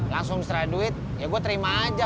langsung serai duit ya gua terima aja